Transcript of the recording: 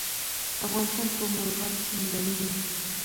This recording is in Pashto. افغانستان په مورغاب سیند غني دی.